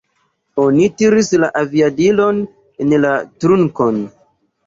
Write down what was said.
Oni tiris la aviadilon en la trunkon.